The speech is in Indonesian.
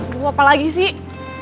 bu apa lagi sih